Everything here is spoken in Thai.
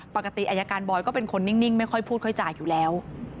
ปกติอายการบอยก็เป็นคนนิ่งไม่ค่อยพูดค่อยจ่ายอยู่แล้ว